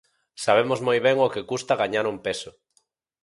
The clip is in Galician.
Sabemos moi ben o que custa gañar un peso.